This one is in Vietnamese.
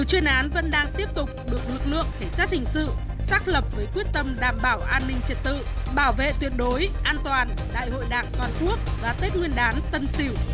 hãy đăng kí cho kênh lalaschool để không bỏ lỡ những video hấp dẫn